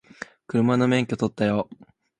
車の免許取ったよ